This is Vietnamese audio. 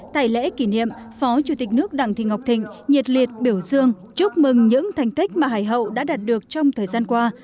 tại lễ kỷ niệm phó chủ tịch nước đặng thị ngọc thịnh nhiệt liệt biểu dương chúc mừng những thành tích mà hải hậu đã đạt được trong thời gian qua